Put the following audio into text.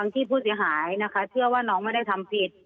ที่ผู้เสียหายนะคะเชื่อว่าน้องไม่ได้ทำผิด